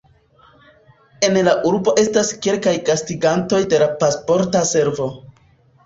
En la urbo estas kelkaj gastigantoj de la Pasporta Servo.